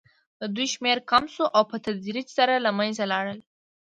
د دوی شمېر کم شو او په تدریج سره له منځه لاړل.